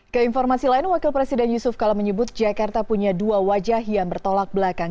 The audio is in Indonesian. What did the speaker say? keinformasi lain wakil presiden yusuf kala menyebut jakarta punya dua wajah yang bertolak belakang